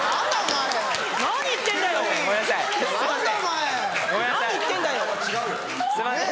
何言ってんだよ！